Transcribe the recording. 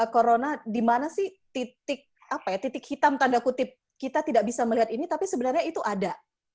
corona di mana sih titik hitam tanda kutip kita tidak bisa melihat ini tapi sebenarnya itu ada